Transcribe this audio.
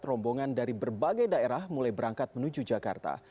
rombongan dari berbagai daerah mulai berangkat menuju jakarta